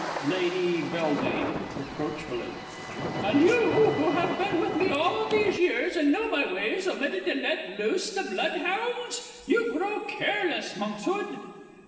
Lady B. (reproachfully). And you, who have been with me all these years, and know my ways, omitted to let loose the bloodhounds? You grow careless, Monkshood!